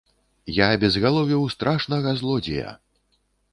Я абезгаловіў страшнага злодзея!